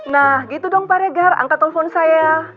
nah gitu dong pak regar angkat telepon saya